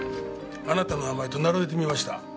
あなたの名前と並べてみました。